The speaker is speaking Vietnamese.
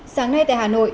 sáng nay tại hà nội